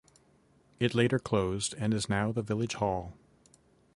It later closed and is now the Village Hall.